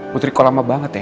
putri kok lama banget ya